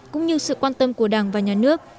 cũng như sự quan tâm của đảng và nhà nước